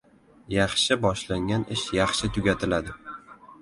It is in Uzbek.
• Yaxshi boshlangan ish yaxshi tugatiladi.